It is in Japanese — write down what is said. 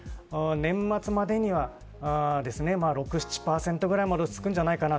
年末までには６、７％ぐらいまで落ち着くんじゃないかな。